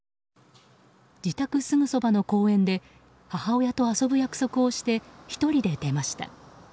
自宅すぐそばの公園で母親と遊ぶ約束をして１人で出ました。